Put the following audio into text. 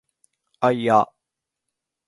あいあ